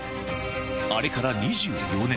あれから２４年。